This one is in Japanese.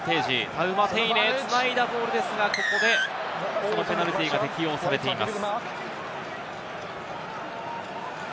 タウマテイネが繋いだボールですがここでペナルティーが適用されています。